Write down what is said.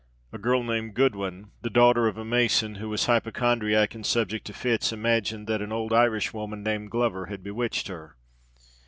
A girl named Goodwin, the daughter of a mason, who was hypochondriac and subject to fits, imagined that an old Irish woman, named Glover, had bewitched her.